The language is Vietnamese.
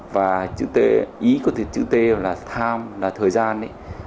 và chữ t ý của chữ t là time là thời gian